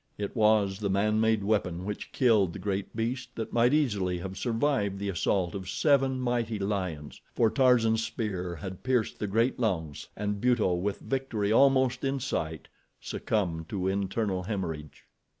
It was the man made weapon which killed the great beast that might easily have survived the assault of seven mighty lions, for Tarzan's spear had pierced the great lungs, and Buto, with victory almost in sight, succumbed to internal hemorrhage.